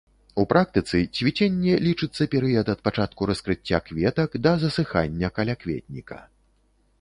У практыцы цвіценне лічыцца перыяд ад пачатку раскрыцця кветак да засыхання калякветніка.